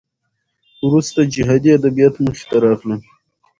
وروسته جهادي ادبیات مخې ته راغلل.